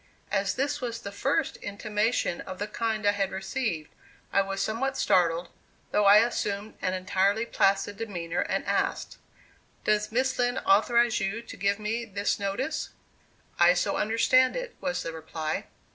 As this was the first intimation of the kind I had received, I was somewhat startled, though I assumed an entirely placid demeanor, and asked: "Does Miss Lind authorize you to give me this notice?" "I so understand it," was the reply.